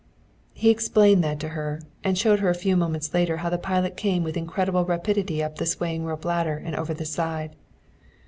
He explained that to her, and showed her a few moments later how the pilot came with incredible rapidity up the swaying rope ladder and over the side.